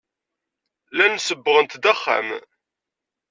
Llant sebbɣent-d axxam.